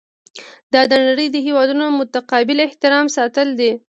دا د نړۍ د هیوادونو متقابل احترام ساتل دي.